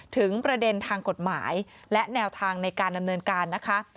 ถึงประเด็นทางกฎหมายและแนวทางในการดำเนินการนะคะ